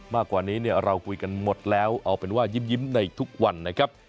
มากกว่านี้เราคุยกันหมดแล้วเอาเป็นว่ายิ้มในทุกวันนะครับ